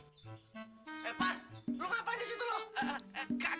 b communicating dalam ber often jogging